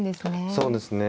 そうですね。